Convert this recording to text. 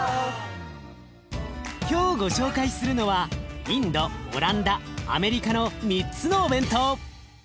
今日ご紹介するのはインドオランダアメリカの３つのお弁当！